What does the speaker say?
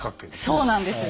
そうなんです。